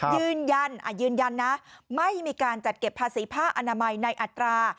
ยืนยันยืนยันนะไม่มีการจัดเก็บภาษีผ้าอนามัยในอัตรา